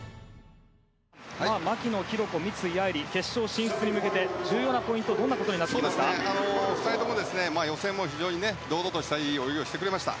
牧野紘子、三井愛梨決勝進出に向けて重要なポイントは２人とも予選も非常に堂々としたいい泳ぎをしてくれました。